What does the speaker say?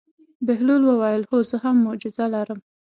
بهلول وویل: هو زه هم معجزه لرم.